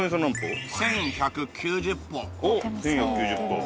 １１９０歩。